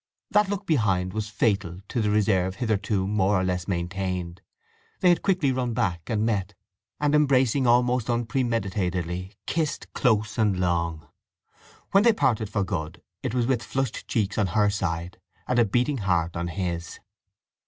That look behind was fatal to the reserve hitherto more or less maintained. They had quickly run back, and met, and embracing most unpremeditatedly, kissed close and long. When they parted for good it was with flushed cheeks on her side, and a beating heart on his.